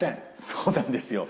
そうなんですよ。